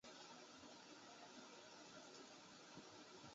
凌驾於一切之上